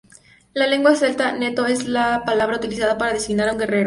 En lengua celta, "neto" es la palabra utilizada para designar a un guerrero.